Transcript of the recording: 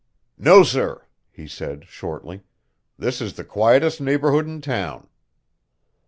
"No, sir," he said shortly. "This is the quietest neighborhood in town."